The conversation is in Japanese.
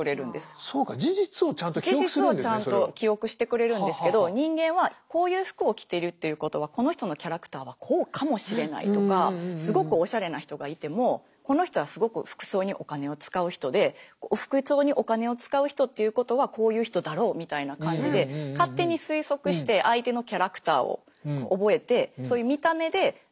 事実をちゃんと記憶してくれるんですけど人間はこういう服を着てるっていうことはこの人のキャラクターはこうかもしれないとかすごくおしゃれな人がいてもこの人はすごく服装にお金を使う人で服装にお金を使う人っていうことはこういう人だろうみたいな感じでっていうようなことをしてしまっているという部分があると思います。